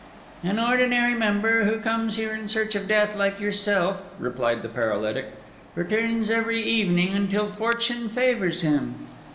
"An ordinary member who comes here in search of death like yourself," replied the paralytic, "returns every evening until fortune favours him.